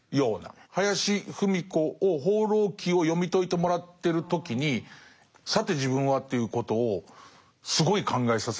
林芙美子を「放浪記」を読み解いてもらってる時に「さて自分は？」ということをすごい考えさせられましたね。